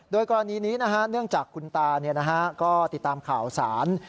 โดยกรณีนี้เนื่องจากคุณตาก็ติดตามข่าวสาร